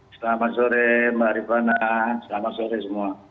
selamat sore mbak rifana selamat sore semua